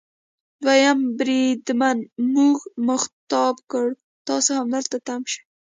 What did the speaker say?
دوهم بریدمن موږ مخاطب کړ: تاسو همدلته تم شئ.